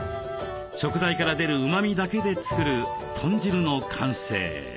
食材から出るうまみだけで作る豚汁の完成。